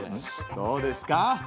どうですか？